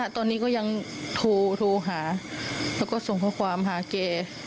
ตอนนี้ก็ยังโทรหาแล้วก็ส่งข้อความหาแก